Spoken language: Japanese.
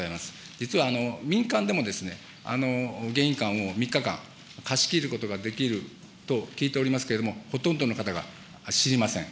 実は民間でも迎賓館を３日間、貸し切ることができると聞いておりますけれども、ほとんどの方が知りません。